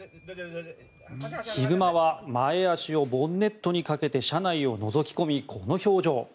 ヒグマは前足をボンネットにかけて車内をのぞき込みこの表情。